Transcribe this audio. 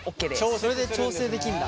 それで調整できるんだ。